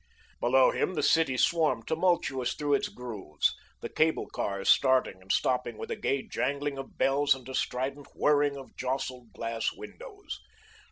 Below him the city swarmed tumultuous through its grooves, the cable cars starting and stopping with a gay jangling of bells and a strident whirring of jostled glass windows.